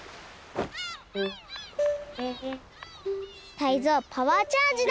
タイゾウパワーチャージだ！